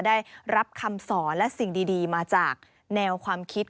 ได้รับคำสอนและสิ่งดีมาจากแนวความคิด